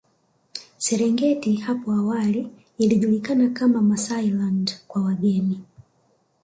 Serengeti hapo awali ilijulikana kama Maasailand kwa wageni